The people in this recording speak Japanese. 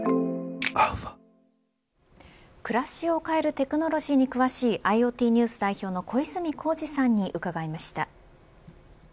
暮らしを変えるテクノロジーに詳しいＩｏＴＮＥＷＳ代表の小泉耕二さんに伺いました。